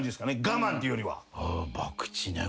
我慢っていうよりは。